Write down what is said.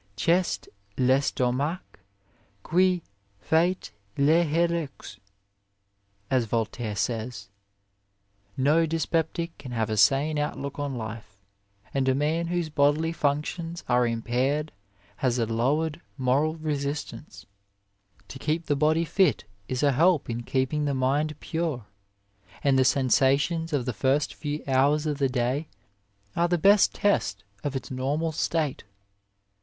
"C est I estomac qui fait les heureux," as Voltaire says; no dyspeptic can have a sane outlook on life ; and a man whose bodily functions are im paired has a lowered moral resist ance. To keep the body fit is a help in keeping the mind pure, and the sensations of the first few hours of the day are the best test of its normal state.